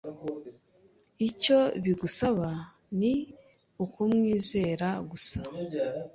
Icyo bigusaba ni ukumwizera gusa